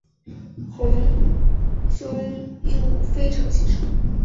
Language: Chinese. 红胸鹦鹉非常稀少。